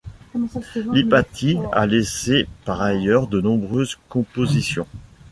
Lipatti a laissé par ailleurs de nombreuses compositions.